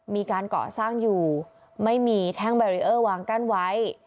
มีการเกาะสร้างอยู่ไม่มีแท่งแบรีเออร์วางกั้นไว้